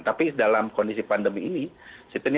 tapi dalam kondisi pandemi ini